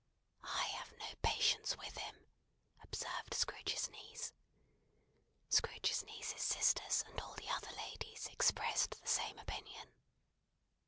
"I have no patience with him," observed Scrooge's niece. Scrooge's niece's sisters, and all the other ladies, expressed the same opinion.